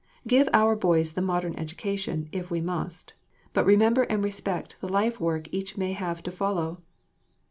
Give our boys the modern education, if we must, but remember and respect the life work each may have to follow.